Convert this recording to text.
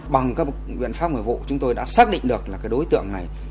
bằng các biện pháp người vụ chúng tôi đã xác định được là cái đối tượng này